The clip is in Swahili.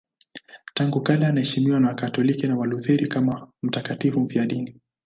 Tangu kale anaheshimiwa na Wakatoliki na Walutheri kama mtakatifu mfiadini.